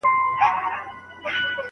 ډېره ډوډۍ ماڼۍ ته یوړل نه سوه.